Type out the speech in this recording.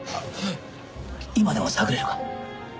今でも探れるか？